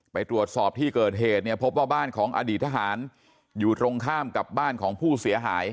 ไปตรวจสอบที่เกิดเหตุเนี่ยพบว่าบ้านของอดีตทหารอยู่ตรงข้ามกับบ้านของผู้เสียหาย